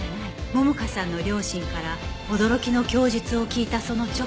桃香さんの両親から驚きの供述を聞いたその直後